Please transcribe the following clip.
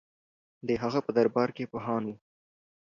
د هغه په دربار کې پوهان وو